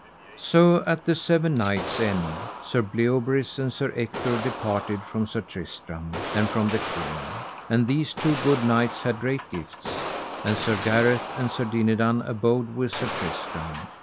So at the seven nights' end Sir Bleoberis and Sir Ector departed from Sir Tristram and from the queen; and these two good knights had great gifts; and Sir Gareth and Sir Dinadan abode with Sir Tristram.